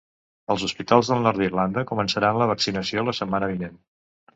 Els hospitals del nord d’Irlanda començaran la vaccinació la setmana vinent.